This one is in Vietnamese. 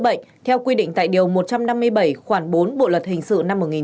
giữa bệnh theo quy định tại điều một trăm năm mươi bảy khoảng bốn bộ luật hình sự